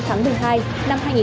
tổng cục thống kê